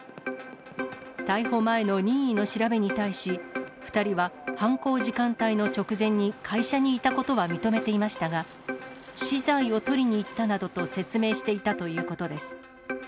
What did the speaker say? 逮捕前の任意の調べに対し、２人は犯行時間帯の直前に会社にいたことは認めていましたが、資材を取りに行ったなどと説明していたということです。